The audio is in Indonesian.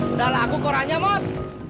udah lagu korannya mot